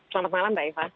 selamat malam mbak eva